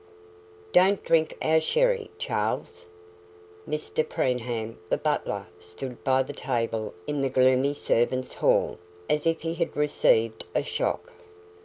"Don't drink our sherry, Charles?" Mr Preenham, the butler, stood by the table in the gloomy servants' hall, as if he had received a shock.